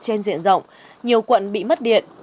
trên diện rộng nhiều quận bị mất điện